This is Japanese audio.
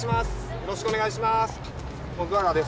よろしくお願いします